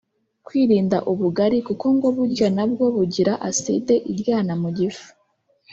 kwirinda ubugali kuko ngo burya nabwo bugira aside iryana mu gifu